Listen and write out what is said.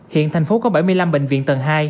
hiện thành phố có bảy mươi năm bệnh viện tầng hai